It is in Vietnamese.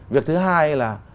việc thứ hai là